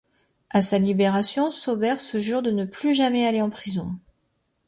À sa libération, Sauber se jure de ne plus jamais aller en prison.